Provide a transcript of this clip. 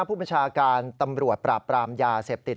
ผู้บัญชาการตำรวจปราบปรามยาเสพติด